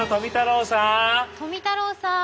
富太郎さん。